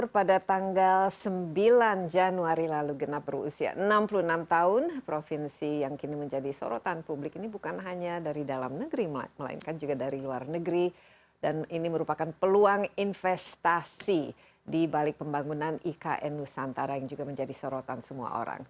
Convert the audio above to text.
pembangunan ikn nusantara yang juga menjadi sorotan semua orang